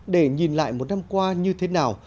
để nhìn lại một năm qua như thế nào